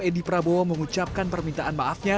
edi prabowo mengucapkan permintaan maafnya